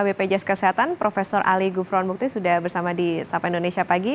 bpjs kesehatan prof ali gufron mukti sudah bersama di sapa indonesia pagi